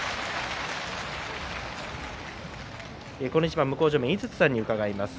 この一番、井筒さんに伺います。